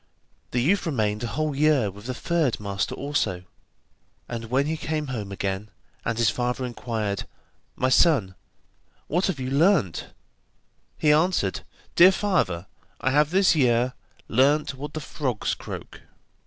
The youth remained a whole year with the third master also, and when he came home again, and his father inquired: 'My son, what have you learnt?' he answered: 'Dear father, I have this year learnt what the frogs croak.